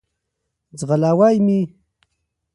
ځغلوی مي .